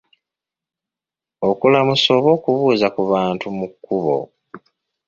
Okulamusa oba okubuuza ku bantu mu kkubo.